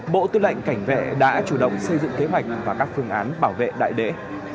bộ tư lệnh cảnh vệ đã chủ động xây dựng kế hoạch và các phương án bảo vệ đại đế